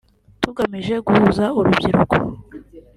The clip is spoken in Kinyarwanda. tugamije guhuza urubyiruko